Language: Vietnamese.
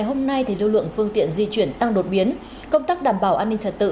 hôm nay lưu lượng phương tiện di chuyển tăng đột biến công tác đảm bảo an ninh trật tự